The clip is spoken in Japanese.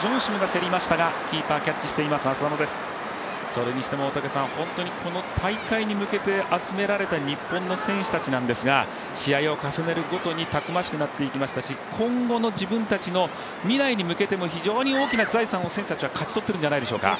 それにしても本当にこの大会に向けて集められた日本の選手たちなんですが試合を重ねるごとにたくましくなっていきましたし、今後の自分たちの未来に向けても、非常に大きな財産を選手たちは勝ち取っているんじゃないでしょうか。